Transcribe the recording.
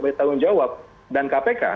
banyak tanggung jawab dan kpk